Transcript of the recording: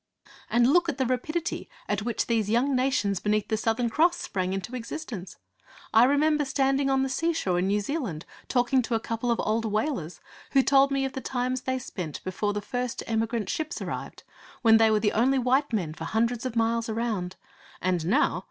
And look at the rapidity at which these young nations beneath the Southern Cross sprang into existence! I remember standing on the sea shore in New Zealand talking to a couple of old whalers, who told me of the times they spent before the first emigrant ships arrived, when they were the only white men for hundreds of miles around. And now!